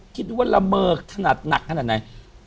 คิดดูว่าละเมอขนาดหนักขนาดไหน